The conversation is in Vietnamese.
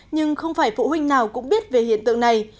nhưng không phải phụ huynh nào cũng biết về hiện tượng này